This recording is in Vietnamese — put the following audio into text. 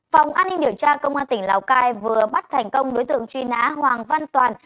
phòng an ninh điều tra công an tỉnh lào cai vừa bắt thành công đối tượng truy nã hoàng văn toàn